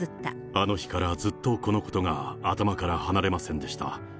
あの日からずっとこのことが頭から離れませんでした。